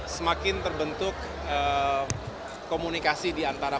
semakin terbentuk komunikasi di antara